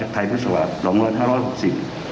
ไทยภาษาศาสตร์หลังวัน๕๖๐